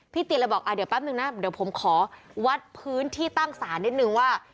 เตียเลยบอกเดี๋ยวแป๊บนึงนะเดี๋ยวผมขอวัดพื้นที่ตั้งศาลนิดนึงว่า